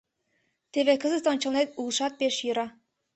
Теве кызыт ончылнет улшат пеш йӧра.